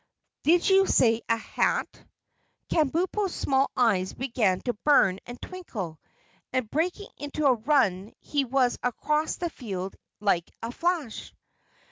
"Did you say a 'hat'?" Kabumpo's small eyes began to burn and twinkle, and breaking into a run he was across the field like a flash.